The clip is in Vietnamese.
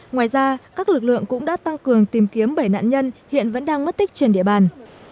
ngoài ra các lực lượng cũng đã tăng cường tìm kiếm bảy nạn nhân hiện vẫn đang mất tích trên địa bàn